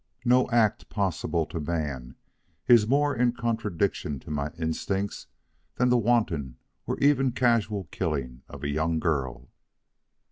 No act possible to man is more in contradiction to my instincts, than the wanton or even casual killing of a young girl."